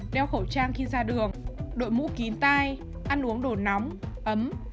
đeo khẩu trang khi ra đường đội mũ kín tai ăn uống đồ nóng ấm